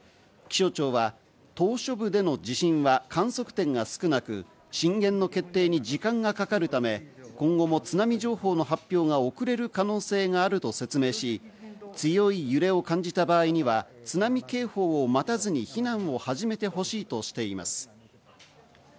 気象庁は島嶼部での地震は観測点が少なく、震源の決定に時間がかかるため、今後も津波情報の発表は遅れる可能性があると説明し、強い揺れを感じた場合には津波警報を待たずに避難を始めてほしいとしています。